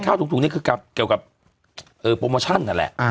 ถุงนี้คือเกี่ยวกับโปรโมชั่นนั่นแหละ